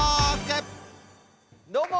どうも！